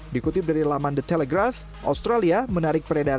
dikutip dari laman the telegraph australia menarik peredaran gta seri terbaru